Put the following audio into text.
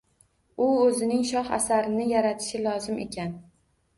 U o‘zining shoh asarini yaratishi lozim ekan.